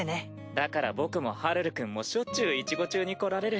だから僕もはるるくんもしょっちゅう一五中に来られる。